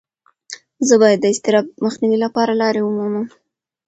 زه باید د اضطراب مخنیوي لپاره لارې ومومم.